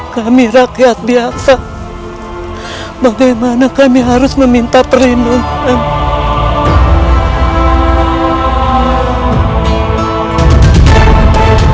kami rakyat biasa bagaimana kami harus meminta perlindungan